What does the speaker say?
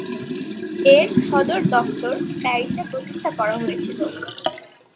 এর সদর দফতর প্যারিসে প্রতিষ্ঠা করা হয়েছিল।